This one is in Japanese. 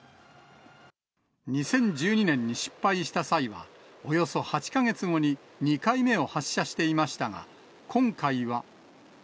２０１２年に失敗した際は、およそ８か月後に２回目を発射していましたが、今回は。